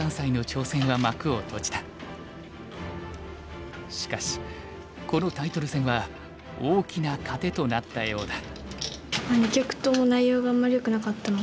連敗でしかしこのタイトル戦は大きな糧となったようだ。